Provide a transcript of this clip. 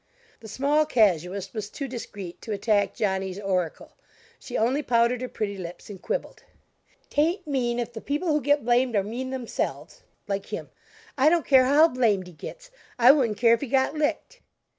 The small casuist was too discreet to attack Johnny's oracle; she only pouted her pretty lips and quibbled: "'Tain't mean if the people who get blamed are mean themselves like him. I don't care how blamed he gets; I wouldn't care if he got licked."